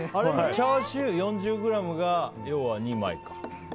チャーシュー４０ｇが２枚か。